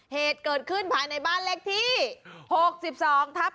เหตุเกิดขึ้นภายในบ้านเลขที่๖๒ทับ๑